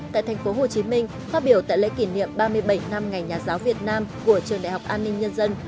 tại thành phố hồ chí minh phát biểu tại lễ kỷ niệm ba mươi bảy năm ngày nhà giáo việt nam của trường đại học an ninh nhân dân